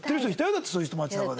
だってそういう人街なかで。